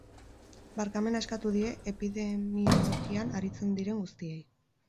Barkamena eskatu die epidemiologian aritzen diren guztiei.